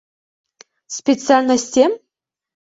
— Специальностем?